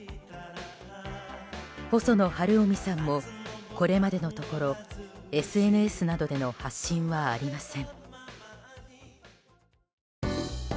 細野晴臣さんもこれまでのところＳＮＳなどでの発信はありません。